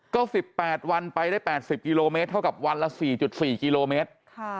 ก็๑๘วันไปได้๘๐กิโลเมตรเท่ากับวันละ๔๔กิโลเมตร